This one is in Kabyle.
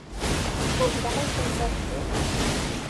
Anda ay ten-terkimt?